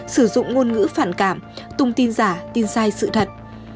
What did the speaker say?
sử dụng ngôn ngữ phản cảm tung tin giả tin sai sự thật